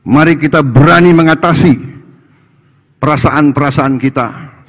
mari kita berani mengatasi perasaan perasaan kita